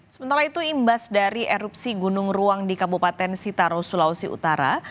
sementara itu imbas dari erupsi gunung ruang di kabupaten sitaro sulawesi utara